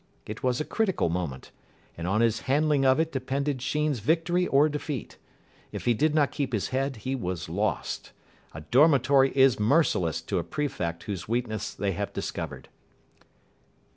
It was a critical moment, and on his handling of it depended Sheen's victory or defeat. If he did not keep his head he was lost. A dormitory is merciless to a prefect whose weakness they have discovered.